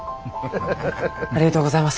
ありがとうございます。